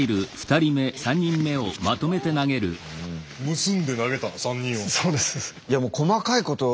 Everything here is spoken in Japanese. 結んで投げた３人を。